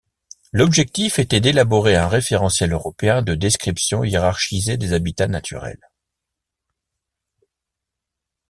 L'objectif était d'élaborer un référentiel européen de description hiérarchisé des habitats naturels.